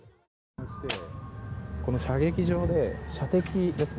射撃場で射的ですね。